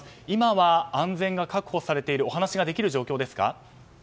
今は安全が確保されているお話ができる状況ですか？